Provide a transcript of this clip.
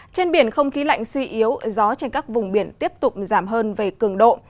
trên biển không khí lạnh suy yếu gió trên các vùng biển tiếp tục giảm hơn về cường độ